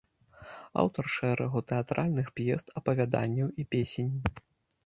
Аўтар шэрагу тэатральных п'ес, апавяданняў і песень.